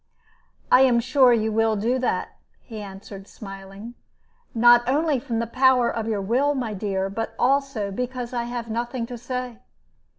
"I am sure you will do that," he answered, smiling, "not only from the power of your will, my dear, but also because I have nothing to say.